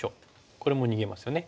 これも逃げますよね。